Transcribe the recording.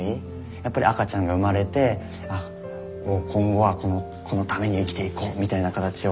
やっぱり赤ちゃんが生まれてもう今後はこの子のために生きていこうみたいな形を思って。